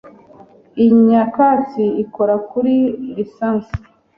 Iyi nyakatsi ikora kuri lisansi.